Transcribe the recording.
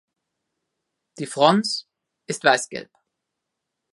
Die Frons ist weißgelb.